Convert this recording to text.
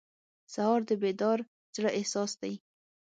سهار د بیدار زړه احساس دی.